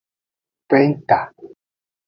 Penta.